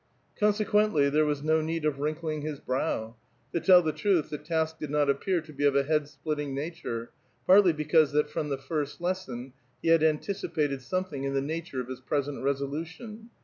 " Consequently tliere was no need of wrinkling his brow ; to tell the truth, the task did not appear to be of a head split ting nature, partly because that from the first lesson he had anticipated something in the nature of his present resolution.